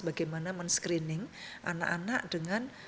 bagaimana men screening anak anak dengan